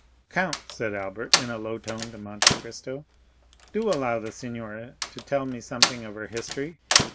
"Count," said Albert, in a low tone to Monte Cristo, "do allow the signora to tell me something of her history.